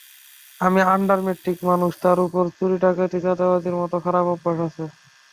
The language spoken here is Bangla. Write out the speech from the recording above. আমি আন্ডার মেট্রিক মানুষ, তার ওপর চুরি-ডাকাতি-চাঁদাবাজির মতো খারাপ অভ্যাস আছে।